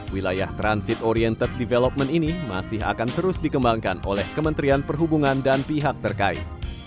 wilayah transit oriented development ini masih akan terus dikembangkan oleh kementerian perhubungan dan pihak terkait